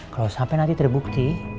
kalo sampe nanti terbukti